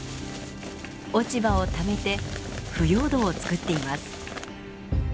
落ち葉をためて腐葉土をつくっています。